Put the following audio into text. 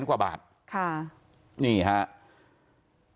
ความปลอดภัยของนายอภิรักษ์และครอบครัวด้วยซ้ำ